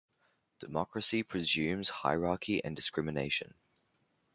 Democracy presumes hierarchy and discrimination.